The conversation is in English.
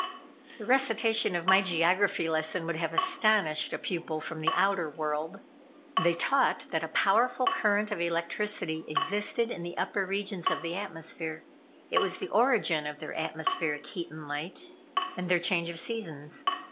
The recitation of my geography lesson would have astonished a pupil from the outer world. They taught that a powerful current of electricity existed in the upper regions of the atmosphere. It was the origin of their atmospheric heat and light, and their change of seasons.